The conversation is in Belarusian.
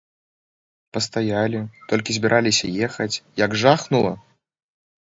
Пастаялі, толькі збіраліся ехаць, як жахнула!